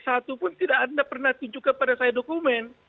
satu pun tidak anda pernah tunjukkan pada saya dokumen